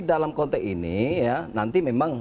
dalam konteks ini ya nanti memang